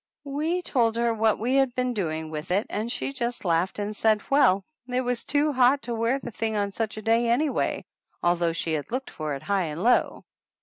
We told her what we had been doing with it and she just laughed and said well, it was too hot to wear the thing on such a day anyway, although she had looked for it high and low.